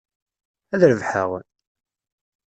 Ad rebḥeɣ?